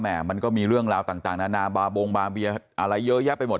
มันก็มีเรื่องราวต่างนานาบาบงบาเบียอะไรเยอะแยะไปหมด